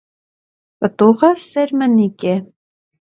Պտուղը սերմնիկ է։